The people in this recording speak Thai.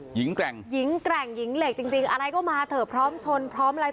หญิงแกร่งหญิงเหล็กจริงอะไรก็มาเธอพร้อมชนพร้อมอะไร